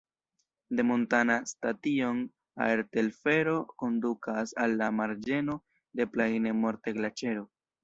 De Montana-Station aertelfero kondukas al la marĝeno de Plaine-Morte-Glaĉero.